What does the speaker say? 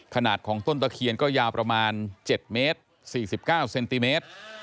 ขนาดของต้นตะเคียนก็ยาวประมาณ๗เมตร๔๙เซนติเมตร